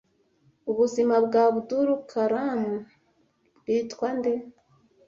Ubuzima bwa Abdul Kalam bwitwa nde